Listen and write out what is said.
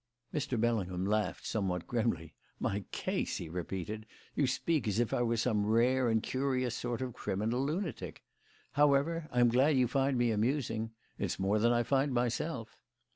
Mr. Bellingham laughed somewhat grimly. "My case!" he repeated. "You speak as if I were some rare and curious sort of criminal lunatic. However, I'm glad you find me amusing. It's more than I find myself."